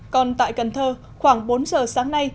còn tại cần thơ khoảng bốn giờ sáng nay